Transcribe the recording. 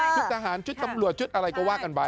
ทหารชุดตำรวจชุดอะไรก็ว่ากันไป